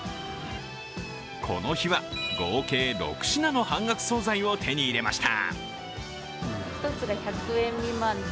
この日は合計６品の半額総菜を手に入れました。